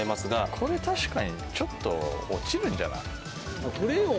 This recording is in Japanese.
これ、ちょっと落ちるんじゃない？